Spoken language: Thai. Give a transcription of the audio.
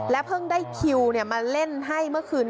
และเพิ่งได้คิวเนี่ยมาเล่นให้เมื่อคืน